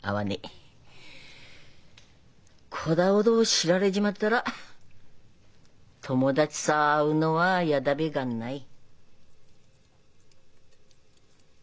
こだごと知られちまったら友達さ会うのはやだべがんない。